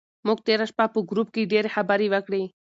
موږ تېره شپه په ګروپ کې ډېرې خبرې وکړې.